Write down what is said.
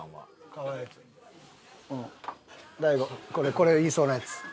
これ言いそうなやつ。